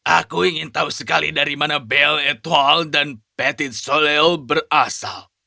aku ingin tahu sekali dari mana belle et al dan petit soliel berasal